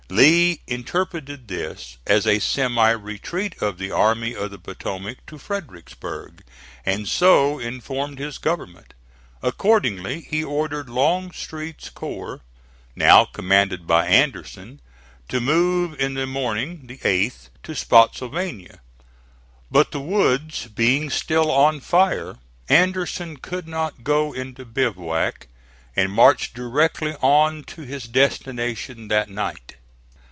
Lee interpreted this as a semi retreat of the Army of the Potomac to Fredericksburg, and so informed his government. Accordingly he ordered Longstreet's corps now commanded by Anderson to move in the morning (the 8th) to Spottsylvania. But the woods being still on fire, Anderson could not go into bivouac, and marched directly on to his destination that night.